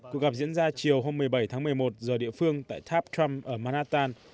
cuộc gặp diễn ra chiều hôm một mươi bảy tháng một mươi một giờ địa phương tại tháp trump ở manhattan